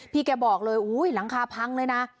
แกบอกเลยหลังคาพังเลยนะ